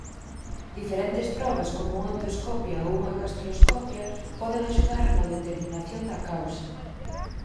Diferentes probas coma unha endoscopia ou unha gastroscopia poden axudar no determinación da causa.